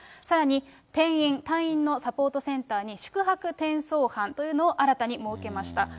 さらに転院、退院のサポートセンターに、宿泊転送班というのを新たに設けました。